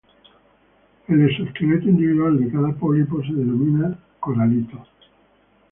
El exoesqueleto individual de cada pólipo se denomina coralito.